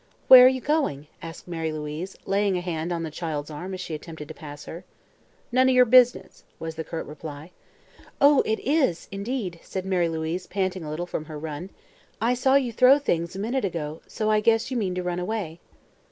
"Where are you going?" asked Mary Louise, laying a hand on the child's arm as she attempted to pass her. "None o' yer business," was the curt reply. "Oh, it is, indeed," said Mary Louise, panting a little from her run. "I saw you throw things, a minute ago, so I guess you mean to run away."